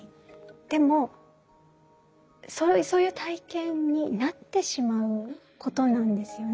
でもそういう体験になってしまうことなんですよね。